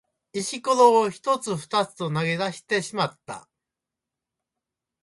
石ころを一つ二つと投げ出してしまった。